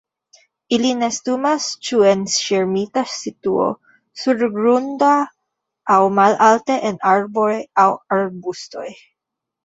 Ili nestumas ĉu en ŝirmita situo surgrunda aŭ malalte en arboj aŭ arbustoj.